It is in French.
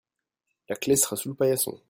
la clé sera sous le paillason.